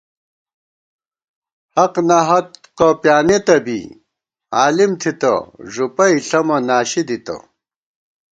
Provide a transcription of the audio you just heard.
حق ناحقہ پیانېتہ بی عالِم تھِتہ ݫُپَئ ݪمہ ناشی دِتہ